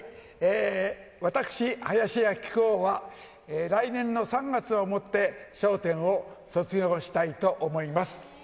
私、林家木久扇は、来年の３月をもって、笑点を卒業したいと思います。